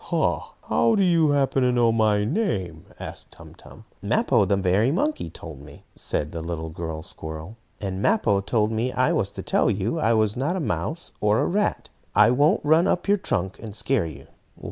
"Ha! How do you happen to know my name?" asked Tum Tum. "Mappo, the merry monkey, told me," said the little squirrel girl. "And Mappo told me I was to tell you I was not a mouse or a rat. I won't run up your trunk, and scare you."